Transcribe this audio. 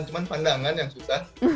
cuman pandangan yang susah